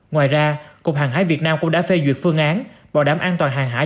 ngoài ra cục hàng hải việt nam cũng đã phê duyệt phương án bảo đảm an toàn hàng hải